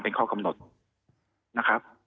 เป็นข้อกำหนดนะครับ